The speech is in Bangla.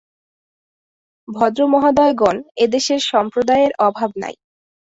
ভদ্রমহোদয়গণ, এদেশে সম্প্রদায়ের অভাব নাই।